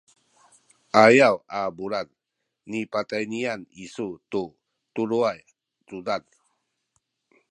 ayaw a bulad nipatayniyan isu tu tuluway cudad